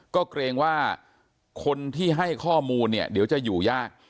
ก็เกรงว่าคนที่ให้ข้อมูลเนี่ยเดี๋ยวจะอยู่ยาก